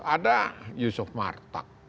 ada yusuf martak